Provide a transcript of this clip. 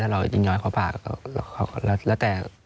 ถ้าเรายิ่งน้อยเขาผ่าก็แล้วแต่